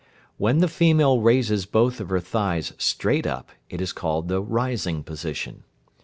When the female raises both of her thighs straight up, it is called the "rising position."